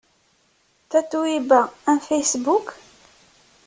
Tatoeba am Facebook?